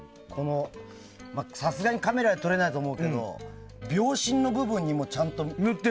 さすがにカメラでは撮れないと思うけど秒針の部分にもちゃんと。